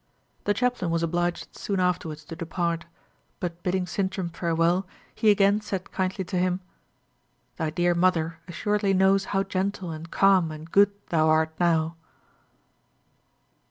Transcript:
The chaplain was obliged soon afterwards to depart; but bidding Sintram farewell, he again said kindly to him, "Thy dear mother assuredly knows how gentle and calm and good thou art now!"